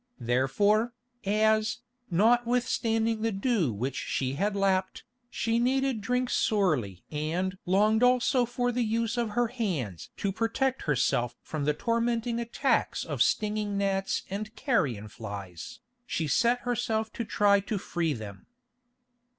Therefore, as, notwithstanding the dew which she had lapped, she needed drink sorely and longed also for the use of her hands to protect herself from the tormenting attacks of stinging gnats and carrion flies, she set herself to try to free them.